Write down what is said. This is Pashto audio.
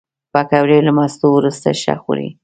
پکورې له مستو وروسته ښه خوري